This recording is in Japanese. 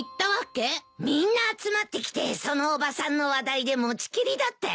みんな集まってきてそのおばさんの話題で持ちきりだったよ。